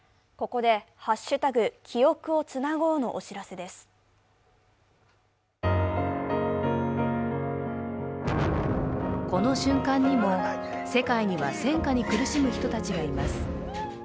この瞬間にも世界には戦禍に苦しむ人たちがいます。